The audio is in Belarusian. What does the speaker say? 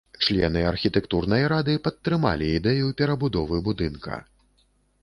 Члены архітэктурнай рады падтрымалі ідэю перабудовы будынка.